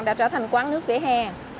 đã trở thành quán nước vỉa hè